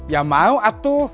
ya mau atuh